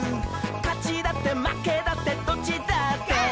「かちだってまけだってどっちだって」